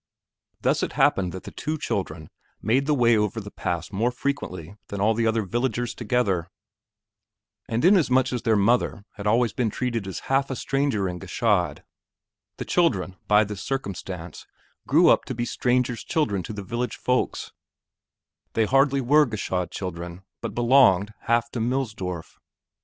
Thus it happened that the two children made the way over the pass more frequently than all the other villagers together; and inasmuch as their mother had always been treated as half a stranger in Gschaid, the children, by this circumstance, grew up to be strangers' children to the village folks; they hardly were Gschaid children, but belonged half to Millsdorf.